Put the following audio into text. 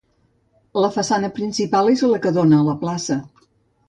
La façana principal és la que dóna a la Plaça.